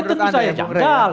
ya tentu saja janggal